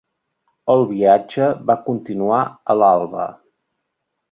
El viatge va continuar a l'alba.